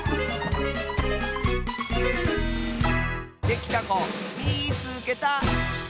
できたこみいつけた！